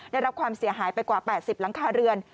ได้รับความเสียหายไปกว่า๘๐หลังคาเรือน